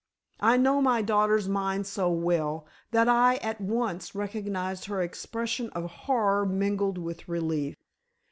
I know my daughter's mind so well, that I at once recognized her expression of horror mingled with relief.